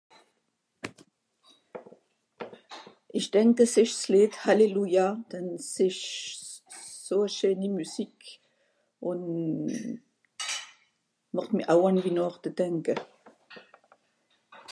ìsch denk a s'esch s'Leed Hallelujah denn s'esch's so scheeni musique ùn màcht mì aw àn winàcht denke